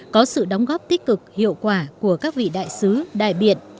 có sự đóng góp tích cực hiệu quả của các vị đại sứ đại biện